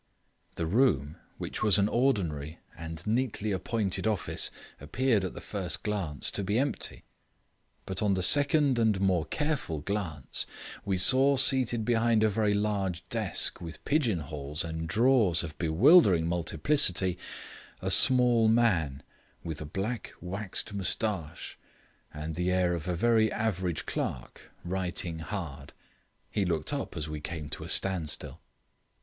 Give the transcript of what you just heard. The room, which was an ordinary and neatly appointed office, appeared, at the first glance, to be empty. But on a second and more careful glance, we saw seated behind a very large desk with pigeonholes and drawers of bewildering multiplicity, a small man with a black waxed moustache, and the air of a very average clerk, writing hard. He looked up as we came to a standstill.